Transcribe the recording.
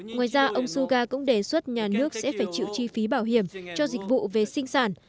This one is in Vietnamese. ngoài ra ông suga cũng đề xuất nhà nước sẽ phải chịu chi phí bảo hiểm cho dịch vụ về sinh sản